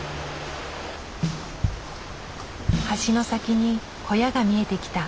橋の先に小屋が見えてきた。